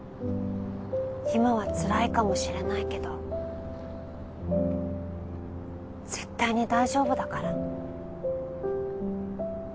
今はつらいかもしれないけど絶対に大丈夫だから。